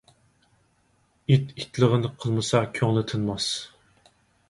ئىت ئىتلىقىنى قىلمىسا كۆڭلى تىنماس.